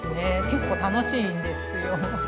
結構楽しいんですよ。